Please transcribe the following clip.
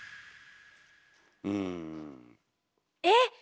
うん。えっ？